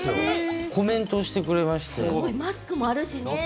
コメントしてくれました。